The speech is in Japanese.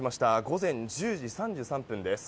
午前１０時３３分です。